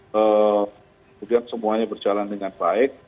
kemudian semuanya berjalan dengan baik